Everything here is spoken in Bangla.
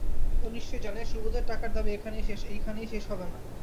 ও নিশ্চয় জানে, সুবোধের টাকার দাবি এইখানেই শেষ হবে না।